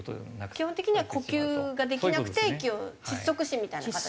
基本的には呼吸ができなくて息を窒息死みたいな形。